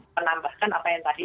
menambahkan apa yang tadi